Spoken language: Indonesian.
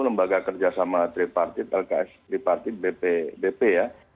membaga kerja sama tripartit lks tripartit bp ya